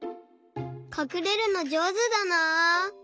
かくれるのじょうずだな。